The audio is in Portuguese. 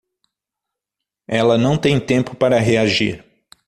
Ela não tem tempo para reagir